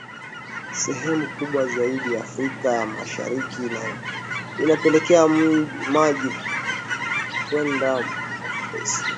Sehemu kubwa zaidi ya Afrika ya Mashariki inapeleka maji kwenda mabeseni ya Rufiji